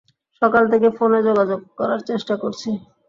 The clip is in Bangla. সকালে থেকে ফোনে যোগাযোগ করার চেষ্টা করছি।